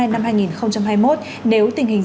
năm hai nghìn hai mươi một nếu tình hình